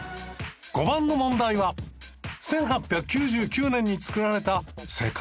５番の問題は１８９９年に造られた世界遺産。